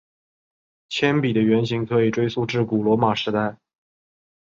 铅笔的原型可以追溯至古罗马时代。